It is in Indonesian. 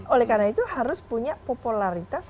oleh karena itu harus punya popularitas